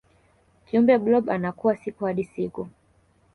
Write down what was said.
kiumbe blob anakua siku hadi siku